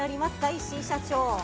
石井社長。